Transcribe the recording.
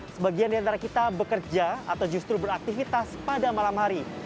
sebagian di antara kita bekerja atau justru beraktivitas pada malam hari